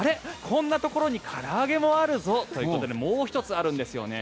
こんなところにから揚げもあるぞということでもう１つあるんですよね。